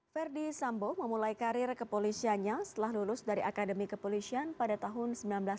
verdi sambo memulai karir kepolisiannya setelah lulus dari akademi kepolisian pada tahun seribu sembilan ratus sembilan puluh